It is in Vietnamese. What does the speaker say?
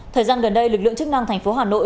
thời gian gần đây lực lượng chức năng thành phố hà nội